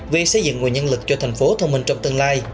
về xây dựng nguồn nhân lực cho thành phố thông minh trong tương lai